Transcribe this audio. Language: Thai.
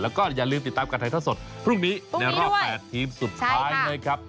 แล้วก็อย่าลืมติดตามการถ่ายทอดสดพรุ่งนี้ในรอบ๘ทีมสุดท้ายนะครับ